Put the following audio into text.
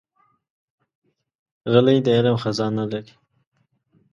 غلی، د علم خزانه لري.